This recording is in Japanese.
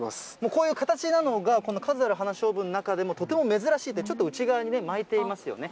こういう形なのが、この数ある花しょうぶの中でも、とても珍しいと、ちょっと内側に巻いていますよね。